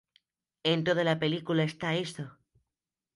En toda la película está eso.